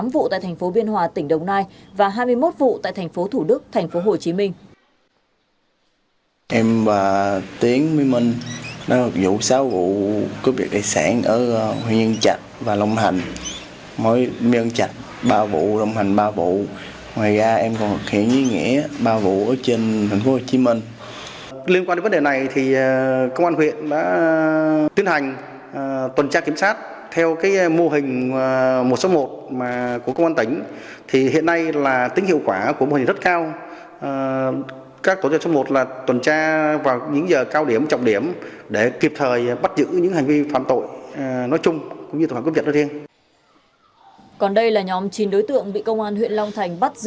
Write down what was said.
tám vụ tại thành phố biên hòa tỉnh đồng nai và hai mươi một vụ tại thành phố thủ đức thành phố hồ chí minh